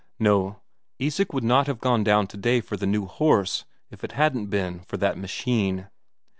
No, Isak would not have gone down today for the new horse if it hadn't been for that machine.